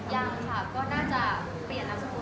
ยังค่ะก็น่าจะเปลี่ยนนามสกุล